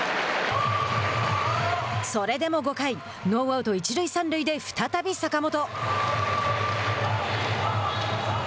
それでも５回ノーアウト、一塁三塁で再び坂本。